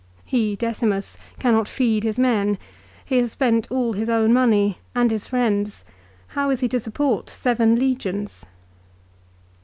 He, Decimus, cannot feed his men. He has spent all his own money and his friends'. How is he to support seven legions